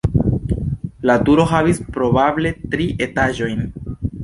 La turo havis probable tri etaĝojn.